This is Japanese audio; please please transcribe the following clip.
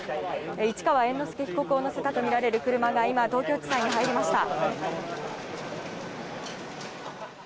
市川猿之助被告を乗せたとみられる車が今、東京地裁に入りました。